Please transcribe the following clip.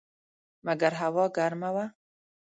مګر هوا ګرمه وه.